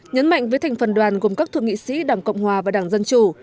nhấn mạnh với thành phần đoàn gồm các thượng nghị sĩ đảng cộng hòa và đảng dân chủ